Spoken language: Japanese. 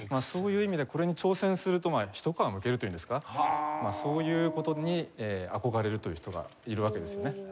そういう意味でこれに挑戦すると一皮むけるというんですかそういう事に憧れるという人がいるわけですよね。